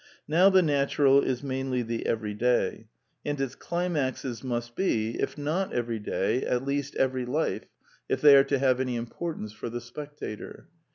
Now the natural is mainly the everyday; and its climaxes must be, if not every 22 2 The Quintessence of Ibsenism day, at least everylife, if they are to have any importance for the spectator.